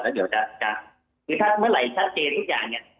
เมื่อไหร่ถ้าเจทุกอย่างเนี่ย